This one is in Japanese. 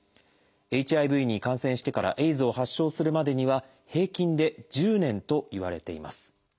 ＨＩＶに感染してからＡＩＤＳを発症するまでには平均で１０年といわれています。